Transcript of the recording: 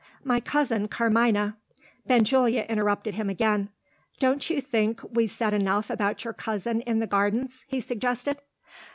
"My cousin Carmina " Benjulia interrupted him again: "Don't you think we said enough about your cousin in the Gardens?" he suggested.